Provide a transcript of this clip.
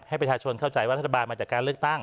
ให้ประชาชนเข้าใจว่ารัฐบาลมาจากการเลือกตั้ง